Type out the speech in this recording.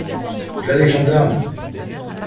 V'là les gendarmes!